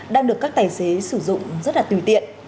đang được các tài xế sử dụng rất là tùy tiện